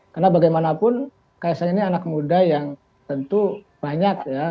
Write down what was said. karena bagaimanapun kaisang ini anak muda yang tentu banyak ya